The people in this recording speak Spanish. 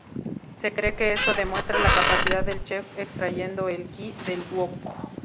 Se cree que esto demuestra la capacidad del chef extrayendo el "qi" del "wok".